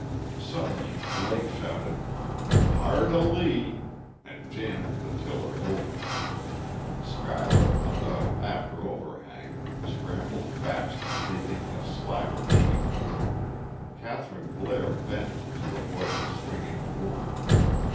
Suddenly Blake shouted: "Hard a lee!" and jammed the tiller over; Schuyler, on the after overhang, scrambled fast to take in the slack of the sheet. Kathryn Blair bent, to avoid the swinging boom.